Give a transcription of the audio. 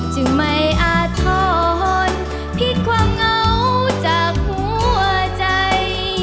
จึงไม่อาทรพลิกความเหงาจากหัวใจ